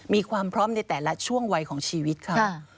มีความพร้อมในแต่ละช่วงวัยของชีวิตค่ะ